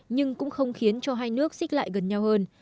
nhưng cũng không khiến cho hai nước xích lại gần nhau hơn